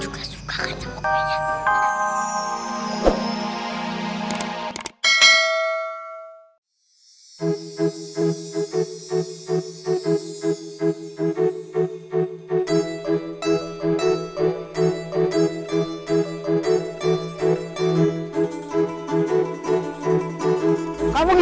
kamu juga suka kan sama kuenya